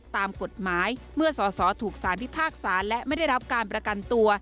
ตามกฎหมายเมื่อสอสอถูกสารพิพากษาและไม่ได้รับการประกันตัว